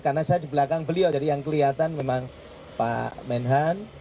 karena saya di belakang beliau jadi yang kelihatan memang pak menhan